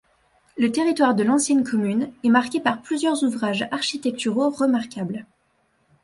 Le territoire de l’ancienne commune est marqué par plusieurs ouvrages architecturaux remarquables.